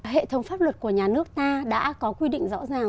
hệ thống pháp luật của nhà nước ta đã có quy định rõ ràng